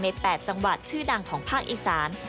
๘จังหวัดชื่อดังของภาคอีสาน